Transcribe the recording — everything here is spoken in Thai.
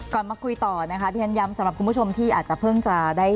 มาคุยต่อนะคะที่ฉันย้ำสำหรับคุณผู้ชมที่อาจจะเพิ่งจะได้